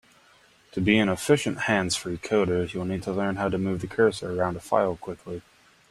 To be an efficient hands-free coder, you'll need to learn how to move the cursor around a file quickly.